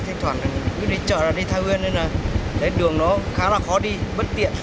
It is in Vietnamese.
thỉnh thoảng cứ đi chợ là đi thái uyên nên là đường nó khá là khó đi bất tiện